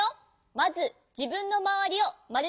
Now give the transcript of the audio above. まずじぶんのまわりをまるでかこもう。